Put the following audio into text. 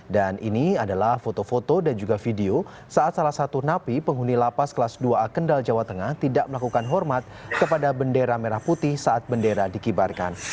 dan ini adalah foto foto dan juga video saat salah satu napi penghuni lapas kelas dua a kendal jawa tengah tidak melakukan hormat kepada bendera merah putih saat bendera dikibarkan